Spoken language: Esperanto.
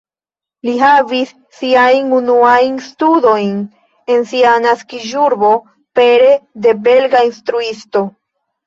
Li havis siajn unuajn studojn en sia naskiĝurbo, pere de belga instruisto.